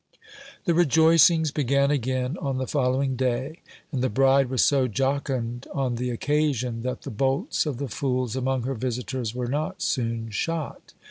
The rejoicings began again on the following day, and the bride was so jocund on the occasion, that the bolts of the fools among her visitors were not soon shot.